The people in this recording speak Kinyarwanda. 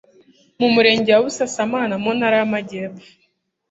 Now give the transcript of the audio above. mu Murenge wa Busasamana mu Ntara y'Amajyepfo,